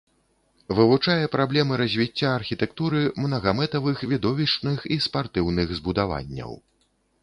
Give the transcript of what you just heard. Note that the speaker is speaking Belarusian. Вывучае праблемы развіцця архітэктуры мнагамэтавых відовішчных і спартыўных збудаванняў.